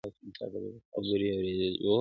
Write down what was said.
خو خبري یې اورېدلي وي،